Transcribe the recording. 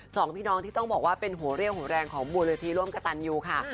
สองพี่น้องที่ต้องบอกว่าเป็นหัวเรี่ยวหัวแรงของมูลนิธิร่วมกระตันยูค่ะ